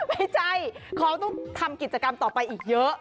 ไม่ใช่เขาต้องทำกิจกรรมต่อไปอีกเยอะ